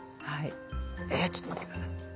えちょっと待って下さい。